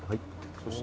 そして？